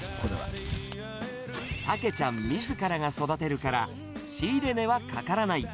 たけちゃんみずからが育てるから、仕入れ値はかからない。